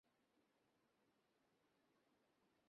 তখন আমি কলেজে পড়ি।